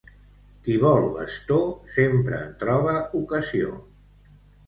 Qui vol bastó sempre en troba ocasió.